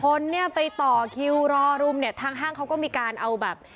คนเนี่ยไปต่อคิวรอรุมเนี่ยทางห้างเขาก็มีการเอาแบบ